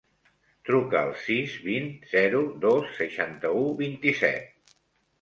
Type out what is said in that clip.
Truca al sis, vint, zero, dos, seixanta-u, vint-i-set.